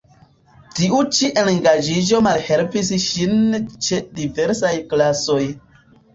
Tiu ĉi engaĝiĝo malhelpis ŝin ĉe diversaj klasoj.